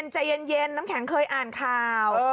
ใจเย็นน้ำแข็งเคยอ่านข่าว